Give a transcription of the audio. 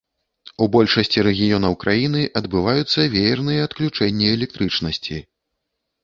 У большасці рэгіёнаў краіны адбываюцца веерныя адключэнні электрычнасці.